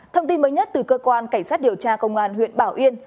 thông tin mới nhất từ cơ quan cảnh sát điều tra công an huyện bảo yên